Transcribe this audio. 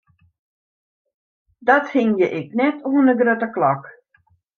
Dat hingje ik net oan 'e grutte klok.